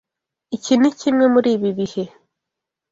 Iki ni kimwe muri ibi bihe.